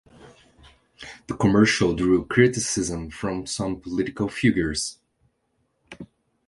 The commercial drew criticism from some political figures.